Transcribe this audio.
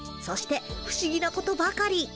そして不思議なことばかり。